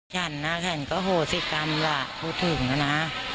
ฉันนะฉันก็โหสิกรรมล่ะพูดถึงนะ